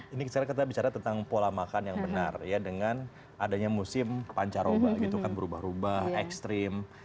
ini sekarang kita bicara tentang pola makan yang benar ya dengan adanya musim pancaroba gitu kan berubah ubah ekstrim